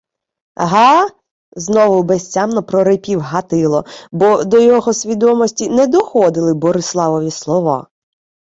— Га? — знову безтямно прорипів Гатило, бо до його свідомості не доходили Бориславові слова.